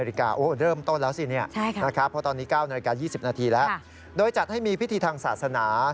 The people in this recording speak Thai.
เริ่มต้นแล้วสินี่พอตอนนี้๙๐๐นยี่สิบนาทีแล้วโดยจัดให้มีพิธีทางศาสนา